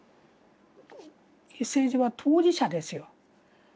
政治は当事者ですよ。